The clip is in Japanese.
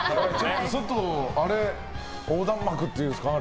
外、あれ横断幕っていうんですか？